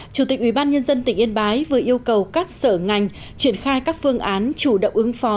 chủ tịch ubnd tỉnh yên bái vừa yêu cầu các sở ngành triển khai các phương án chủ động ứng phó